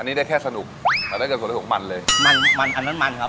อันนี้ได้แค่สนุกแต่ถ้าเกิดถั่วลิสงมันเลยมันมันอันนั้นมันครับ